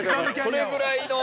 ◆それぐらいの。